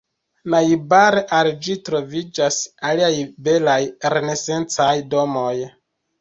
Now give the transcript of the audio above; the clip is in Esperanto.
Najbare al ĝi troviĝas aliaj belaj renesancaj domoj.